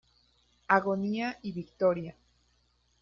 Agonía y victoria".